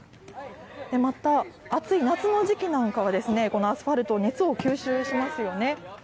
また暑い夏の時期なんかは、このアスファルト、熱を吸収しますよね。